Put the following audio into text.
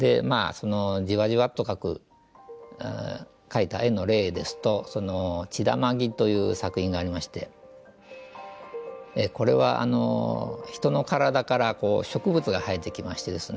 そのじわじわっと描く描いた絵の例ですと「血玉樹」という作品がありましてこれは人の体から植物が生えてきましてですね